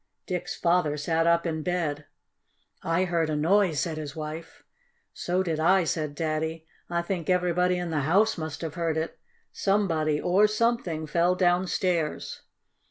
Dick's father sat up in bed. "I heard a noise," said his wife. "So did I," said Daddy. "I think everybody in the house must have heard it. Somebody, or something, fell downstairs."